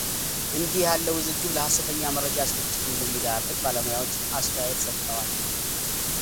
እንዲህ ያለ ውዝግብ ለሐሰተኛ መረጃ ስርጭት እንደሚዳርግ ባለሙያዎች እሰተያየት ሰጥተዋል።